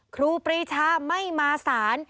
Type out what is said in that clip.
ครูปรีชาไม่มาสาร